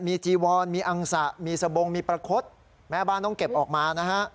มีจีวอนมีอังสะมีสบงมีประคดแม่บ้านต้องเก็บออกมานะฮะ